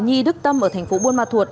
nhi đức tâm ở thành phố buôn ma thuột